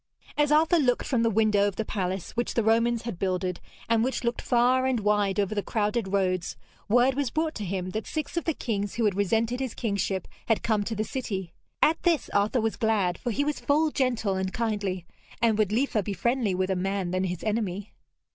As Arthur looked from the window of the palace which the Romans had builded, and which looked far and wide over the crowded roads, word was brought to him that six of the kings who had resented his kingship had come to the city. At this Arthur was glad, for he was full gentle and kindly, and would liefer be friendly with a man than his enemy.